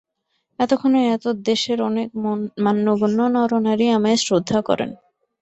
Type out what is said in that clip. এক্ষণে এতদ্দেশের অনেক মান্যগণ্য নরনারী আমায় শ্রদ্ধা করেন।